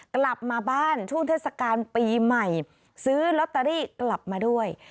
กลับมาบ้านช่วงเทศกาลปีใหม่ซื้อลอตเตอรี่กลับมาด้วย